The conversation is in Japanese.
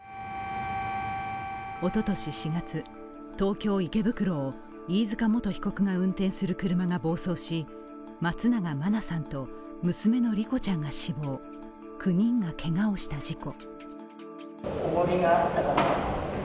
おととし４月、東京・池袋を飯塚元被告が運転する車が暴走し松永真菜さんと娘の莉子ちゃんが死亡、９人がけがをした事故。